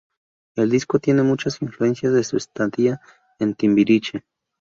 El disco tiene muchas influencias de su estadía en Timbiriche.